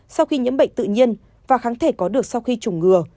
sau khi nhiễm bệnh tự nhiên và kháng thể có được sau khi chủng ngừa